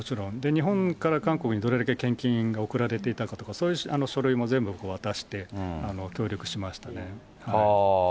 日本から韓国にどれだけ献金が送られていたかとか、そういう書類も全部渡して、協力しましたね。